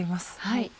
はい。